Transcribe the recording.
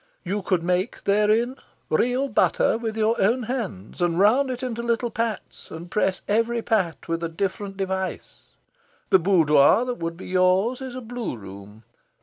You could make, therein, real butter with your own hands, and round it into little pats, and press every pat with a different device. The boudoir that would be yours is a blue room.